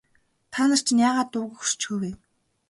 Та нар чинь яагаад дуугүй хөшчихөө вэ?